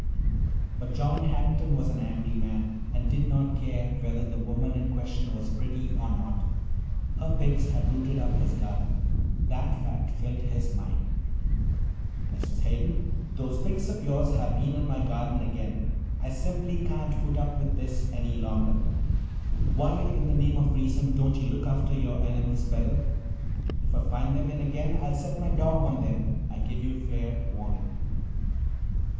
But John Harrington was an angry man and did not care whether the woman in question was pretty or not. Her pigs had rooted up his garden—that fact filled his mind. "Mrs. Hayden, those pigs of yours have been in my garden again. I simply can't put up with this any longer. Why in the name of reason don't you look after your animals better? If I find them in again I'll set my dog on them, I give you fair warning."